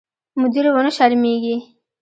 مدیر ونه شرمېږي.